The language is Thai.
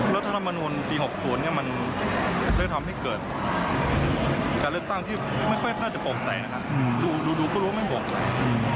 แรงวัลขี้แก้ไขรัฐธรรมนูญ